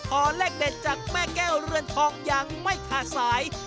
ขอเลขเด็ดจากแม่แก้วเรือนทองอย่างไม่ขาดสาย